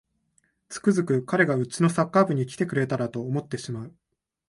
つくづく彼がうちのサッカー部に来てくれたらと思ってしまう